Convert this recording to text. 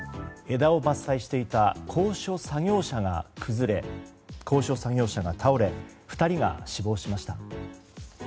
枝を伐採していた高所作業車が倒れ２人が死亡しました。